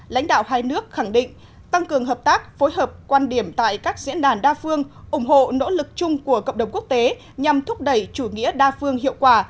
lãnh đạo hai nước khẳng định tăng cường hợp tác phối hợp quan điểm tại các diễn đàn đa phương ủng hộ nỗ lực chung của cộng đồng quốc tế nhằm thúc đẩy chủ nghĩa đa phương hiệu quả